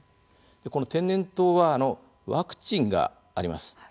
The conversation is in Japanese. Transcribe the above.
この天然痘はワクチンがあります。